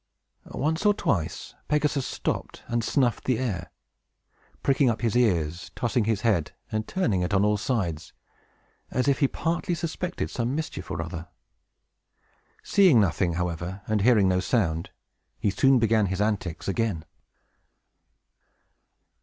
Once or twice, Pegasus stopped, and snuffed the air, pricking up his ears, tossing his head, and turning it on all sides, as if he partly suspected some mischief or other. Seeing nothing, however, and hearing no sound, he soon began his antics again.